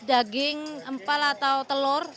daging empal atau telur